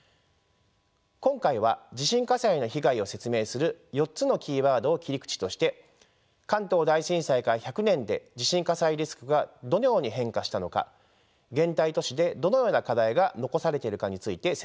今回は地震火災の被害を説明する４つのキーワードを切り口として関東大震災から１００年で地震火災リスクがどのように変化したのか現代都市でどのような課題が残されているかについて説明しました。